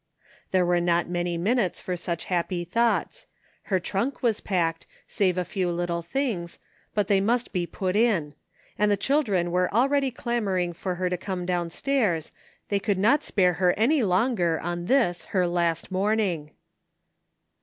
There were not many minutes for such happy thoughts. Her tnmk was packed, save a few little things, but they must be put in ; and the children were already clamoring for iher to come downstairs, they could not spare her any longer on this, her last morning.